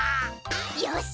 よし！